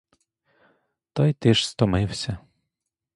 Та й ти ж стомився.